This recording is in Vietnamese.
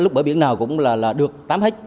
lúc bởi biển nào cũng được tắm hết